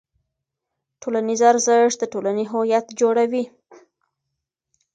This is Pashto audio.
ټولنیز ارزښت د ټولنې هویت جوړوي.